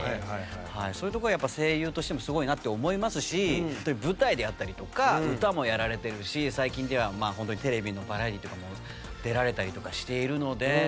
そういうとこは声優としてもすごいなって思いますし舞台であったりとか歌もやられてるし最近ではホントにテレビのバラエティーとかも出られたりとかしているので。